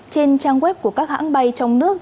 trên trang web của các hãng bay trong nước